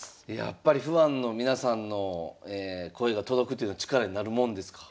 やっぱりファンの皆さんの声が届くというのは力になるもんですか？